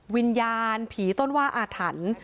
วิญญาณผีต้นว่าอาถรรพ์